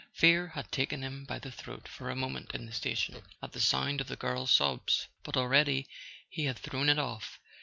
Fear had taken him by the throat for a moment in the station, at the sound of the girl's sobs; but already he had thrown it off.